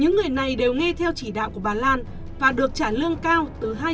những người này đều nghe theo chỉ đạo của bà lan và được trả lương cao từ hai trăm linh đến năm trăm linh đồng